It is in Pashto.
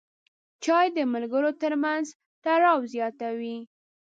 چای د ملګرو ترمنځ تړاو زیاتوي.